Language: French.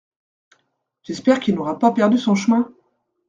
J’espère qu’il n’aura pas perdu son chemin !